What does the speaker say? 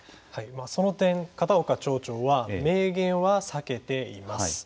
その点、片岡町長は明言は避けています。